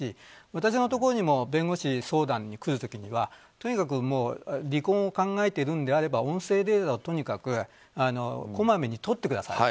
私のところにも弁護士の相談に来るときには離婚を考えているんであれば音声データをとにかくこまめにとってくださいと。